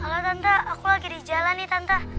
kalau tante aku lagi di jalan nih tante